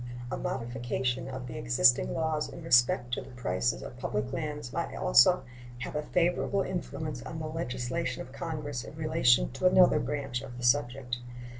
A modification of the existing laws in respect to the prices of the public lands might also have a favorable influence on the legislation of Congress in relation to another branch of the subject.